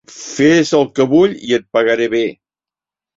Fes el que vull, i et pagaré bé.